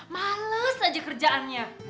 males aja kerjaannya